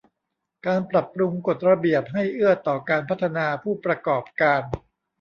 การปรับปรุงกฎระเบียบให้เอื้อต่อการพัฒนาผู้ประกอบการ